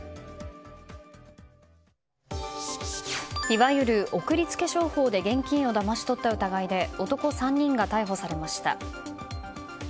いわゆる送り付け商法で現金をだまし取った疑いで男３人が逮捕されました。